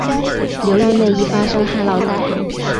流域内易发生旱涝灾害。